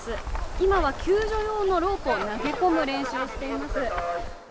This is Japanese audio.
今は救助用のロープを投げ込む練習をしています。